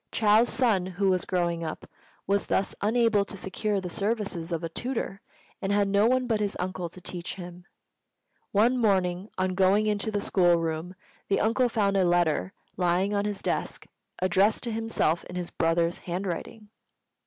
Chou's son, who was growing up, was thus unable to secure the services of a tutor, and had no one but his uncle to teach him. One morning, on going into the school room, the uncle found a letter lying on his desk addressed to himself in his brother's handwriting.